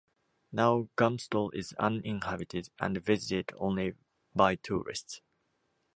Now Gamsutl is uninhabited and visited only by tourists.